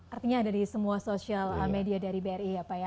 artinya ada di semua sosial media dari bri ya pak ya